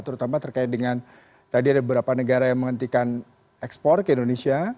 terutama terkait dengan tadi ada beberapa negara yang menghentikan ekspor ke indonesia